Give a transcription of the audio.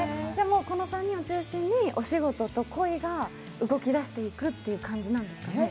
この３人を中心にお仕事と恋が動き出していくって感じなんですね。